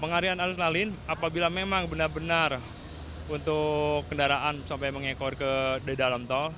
pengarian arus lalin apabila memang benar benar untuk kendaraan sampai mengekor ke di dalam tol